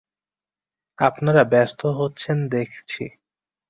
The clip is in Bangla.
আপনারা ব্যস্ত হচ্ছেন দেখছি।